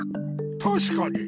たしかに。